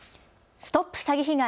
ＳＴＯＰ詐欺被害！